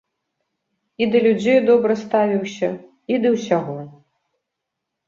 І да людзей добра ставіўся, і да ўсяго.